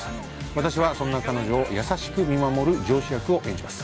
私はそんな彼女を優しく見守る上司役を演じます。